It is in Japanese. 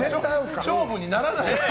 勝負にならない。